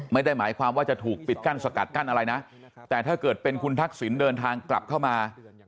ไม่ได้หมายความว่าจะถูกปิดกั้นสกัดกั้นอะไรนะแต่ถ้าเกิดเป็นคุณทักษิณเดินทางกลับเข้ามา